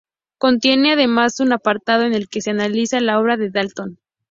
Contiene, además, un apartado en el que se analiza la obra de Dalton.